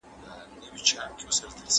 د کار ځواک پراختیا لپاره ګډ کار اړین دی.